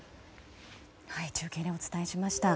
中継でお伝えしました。